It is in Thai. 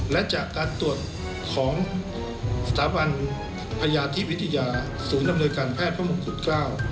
และจากการตรวจของสถาบันพยาธิวิทยาศูนย์อำนวยการแพทย์พระมงกุฎเกล้า